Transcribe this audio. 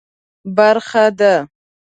برخه ده.